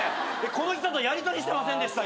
この人とやりとりしてませんでした？